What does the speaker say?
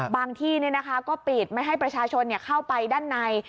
ที่ก็ปิดไม่ให้ประชาชนเข้าไปด้านใน